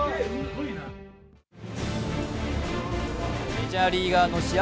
メジャーリーガーの試合